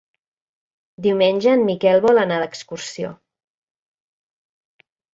Diumenge en Miquel vol anar d'excursió.